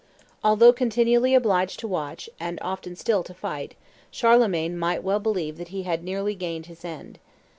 Although continually obliged to watch, and often still to fight, Charlemagne might well believe that he had nearly gained his end.